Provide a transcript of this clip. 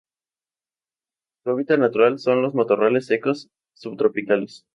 Su hábitat natural son los matorrales secos subtropicales.